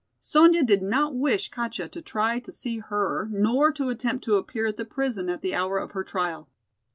Sonya did not wish Katja to try to see her nor to attempt to appear at the prison at the hour of her trial.